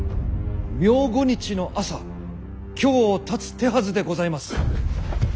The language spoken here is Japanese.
明後日の朝京をたつ手はずでございます。